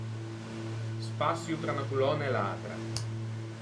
Spaçio tra unna colònna e l’atra.